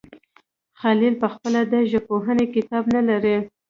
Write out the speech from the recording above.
خلیل پخپله د ژبپوهنې کتاب نه لري.